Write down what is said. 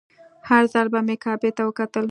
هر ځل چې به مې کعبې ته وکتل.